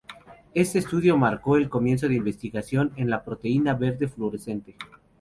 Este estudio marcó el comienzo de investigación en la proteína verde fluorescente.